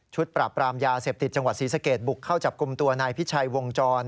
ปราบปรามยาเสพติดจังหวัดศรีสะเกดบุกเข้าจับกลุ่มตัวนายพิชัยวงจร